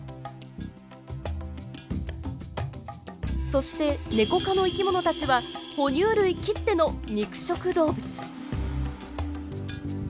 そしてネコ科の生き物たちはほ乳類きっての肉食動物。